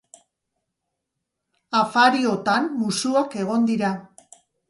Afariotan musuak egon dira.